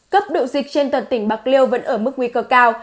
cấp độ dịch trên toàn tỉnh bạc liêu vẫn ở mức nguy cơ cao